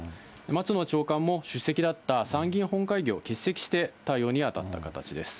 松野長官も出席だった参議院本会議を欠席して、対応に当たった形です。